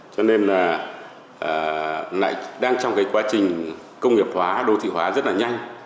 cho nên là đang trong cái quá trình công nghiệp hóa đô thị hóa rất là nhanh